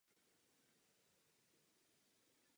Z druhé série se prozatím uskutečnily dva pokusy o start.